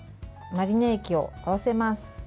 マリネ液を合わせます。